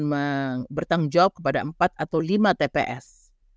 yang bertanggung jawab kepada empat atau lima tps